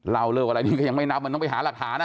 เล่าเลิกอะไรนี่ก็ยังไม่นับมันต้องไปหาหลักฐาน